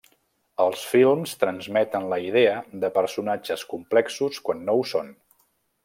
Els films transmeten la idea de personatges complexos quan no ho són.